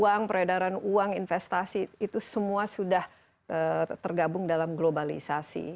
uang peredaran uang investasi itu semua sudah tergabung dalam globalisasi